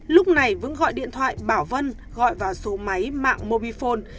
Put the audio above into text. lúc này vững gọi điện thoại bảo vân gọi vào số máy mạng mobifone